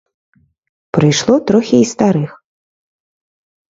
Прыйшло трохі і старых.